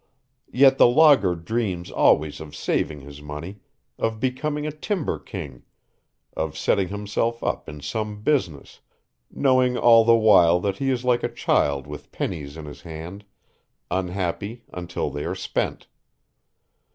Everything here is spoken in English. Yet the logger dreams always of saving his money, of becoming a timber king, of setting himself up in some business knowing all the while that he is like a child with pennies in his hand, unhappy until they are spent.